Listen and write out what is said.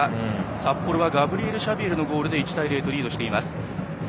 札幌はガブリエル・シャビエルのゴールで１対０とリードしています。